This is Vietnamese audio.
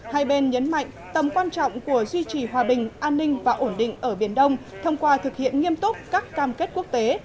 hai bên nhấn mạnh tầm quan trọng của duy trì hòa bình an ninh và ổn định ở biển đông thông qua thực hiện nghiêm túc các cam kết quốc tế